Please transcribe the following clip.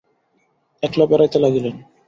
একলা বেড়াইতে লাগিলেন।